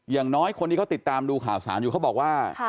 อย่างน้อยคนที่เขาติดตามดูข่าวสารอยู่เขาบอกว่า